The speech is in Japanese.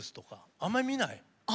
あんまり見ない？